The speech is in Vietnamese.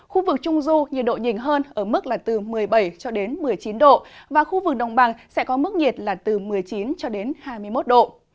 khu vực trung du nhiệt độ nhìn hơn ở mức là từ một mươi bảy một mươi chín độ và khu vực đông bằng sẽ có mức nhiệt là từ một mươi chín hai mươi một độ